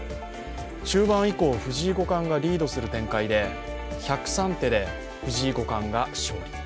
中盤以降、藤井五冠がリードする展開で１０３手で藤井五冠が勝利。